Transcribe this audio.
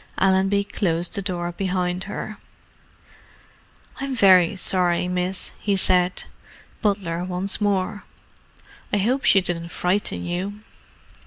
Allenby closed the door behind her. "I'm very sorry, miss," he said—butler once more. "I hope she didn't frighten you."